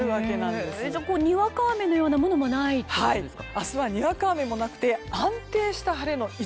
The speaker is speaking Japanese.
にわか雨のようなものはないということですか？